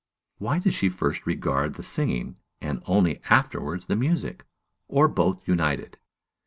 why does she first regard the singing, and only afterwards the music, or both united?